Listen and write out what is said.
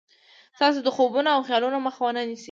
ستاسې د خوبونو او خيالونو مخه و نه نيسي.